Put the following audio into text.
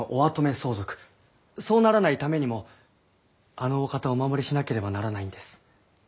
そうならないためにもあのお方をお守りしなければならないんです。